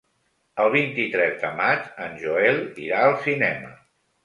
El vint-i-tres de maig en Joel irà al cinema.